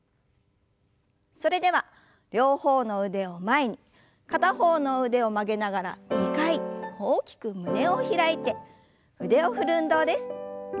それでは両方の腕を前に片方の腕を曲げながら２回大きく胸を開いて腕を振る運動です。